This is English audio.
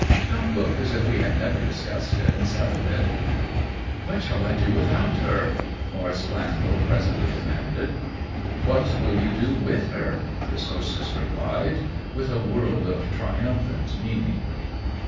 Don't look as if we had never discussed it and settled it !"" What shall I do without her ?" Maurice Glanvil presently demanded. " What will you do with her?" his hostess replied, with a world of triumphant mean ing.